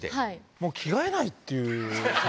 もう着替えないっていう。